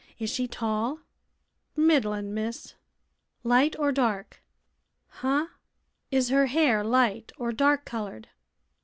Is she tall?" "Middlin', miss." "Light or dark?" "Heh?" "Is her hair light or dark colored?"